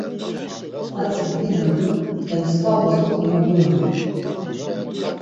Hatzi bida do he mskva bozo komobiyona.